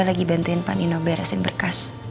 lagi bantuin pak nino beresin berkas